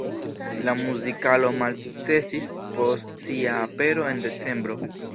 La muzikalo malsukcesis post sia apero en decembro.